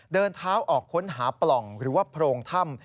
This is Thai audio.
เดินเท้าออกค้นหาปล่องหรือว่าโพรงถ้ำ